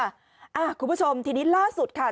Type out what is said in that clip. นี่ค่ะคุณผู้ชมทีนี้ล่าสุดค่ะ